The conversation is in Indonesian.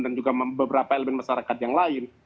dan juga beberapa elemen masyarakat yang lain